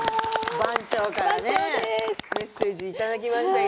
番長からメッセージをいただきました。